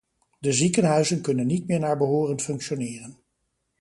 De ziekenhuizen kunnen niet meer naar behoren functioneren.